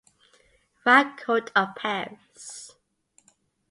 Racault of Paris.